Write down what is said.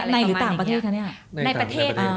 ในหรือต่างประเทศคะเนี่ย